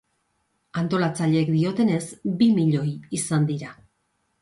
Antolatzaileek diotenez, bi milioi izan dira.